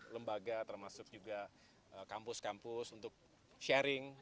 lembaga termasuk juga kampus kampus untuk sharing